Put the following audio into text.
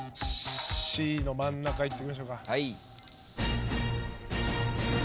Ｃの真ん中いってみましょうか。